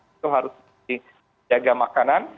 itu harus dijaga makanan